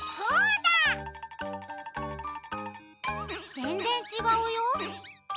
ぜんぜんちがうよ。